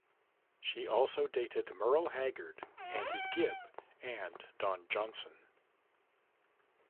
She also dated Merle Haggard, Andy Gibb, and Don Johnson.